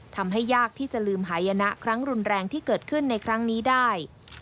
ยากที่จะลืมหายนะครั้งรุนแรงที่เกิดขึ้นในครั้งนี้ได้